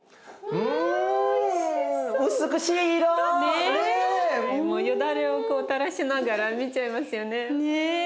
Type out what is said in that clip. うん美しい色！よだれを垂らしながら見ちゃいますよね。ね。